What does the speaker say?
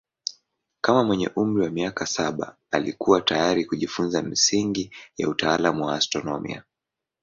Kama mwenye umri wa miaka saba alikuwa tayari kujifunza misingi ya utaalamu wa astronomia.